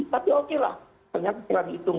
tapi oke lah karena kita dihitung